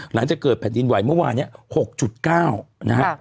หลังจากเกิดแผ่นดินไหวเมื่อวานนี้๖๙นะครับ